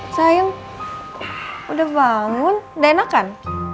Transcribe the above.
sayang udah bangun udah enak kan